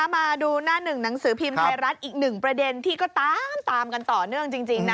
มาดูหน้าหนึ่งหนังสือพิมพ์ไทยรัฐอีกหนึ่งประเด็นที่ก็ตามกันต่อเนื่องจริงนะ